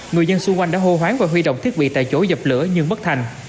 người dân xung quanh đã hô hoáng và huy động thiết bị tại chỗ dập lửa nhưng bất thành